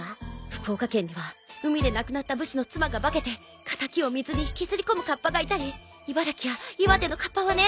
福岡県には海で亡くなった武士の妻が化けて敵を水に引きずり込むかっぱがいたり茨城や岩手のかっぱはね。